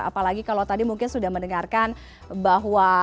apalagi kalau tadi mungkin sudah mendengarkan bahwa